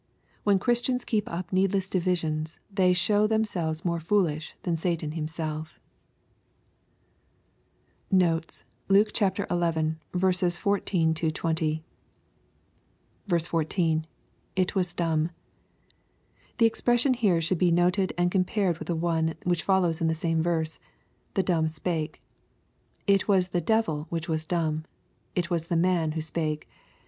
When Christians keep up needless divisions they show themselves more foolish than Satan himself. Notes. Luke XI. 14 — 20. 14. — [It was dumb.] The expression here used should be noted and compared with the one which follows in the same verse, " the dumb spake." — It was the devil which was dumb. It was the man who spake.